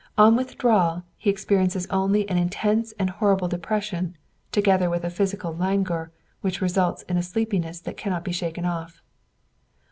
On withdrawal, he experiences only an intense and horrible depression, together with a physical languor which results in a sleepiness that cannot be shaken off.